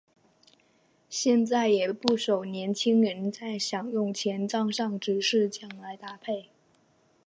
现在也有不少年轻人在享用前沾上芝士酱来搭配。